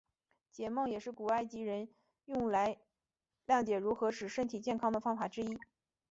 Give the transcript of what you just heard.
解梦也是古埃及人用来瞭解如何使身体健康的方法之一。